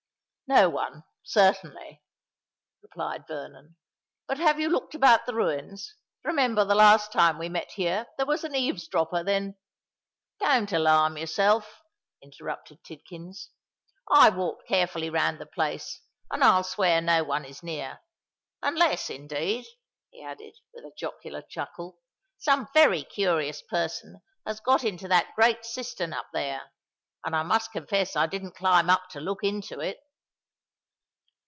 "No one—certainly," replied Vernon. "But have you looked about the ruins? Remember the last time we met here—there was an eaves dropper then——" "Don't alarm yourself," interrupted Tidkins: "I walked carefully round the place; and I'll swear no one is near. Unless, indeed," he added, with a jocular chuckle, "some very curious person has got into that great cistern up there; and I must confess I didn't climb up to look into it."